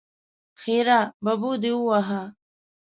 ښېرا: ببو دې ووهه!